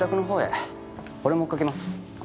俺も追っかけます。